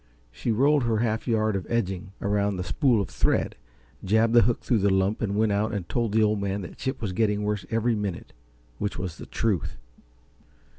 She rolled her half yard of "edging" around the spool of thread, jabbed the hook through the lump and went out and told the Old Man that Chip was getting worse every minute which was the truth.